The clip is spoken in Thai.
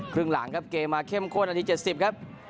ครึ่งหลังครับเกมมาเข้มข้นนาที๗๐ครับ